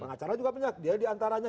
pengacara juga punya dia diantaranya